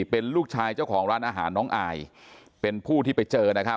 เป็นลูกชายเจ้าของร้านอาหารน้องอายเป็นผู้ที่ไปเจอนะครับ